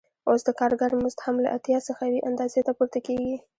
اوس د کارګر مزد هم له اتیا څخه یوې اندازې ته پورته کېږي